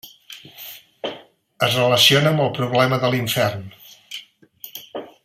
Es relaciona amb el problema de l'infern.